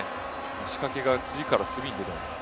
仕掛けが次から次に出ています。